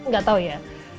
gak tau ya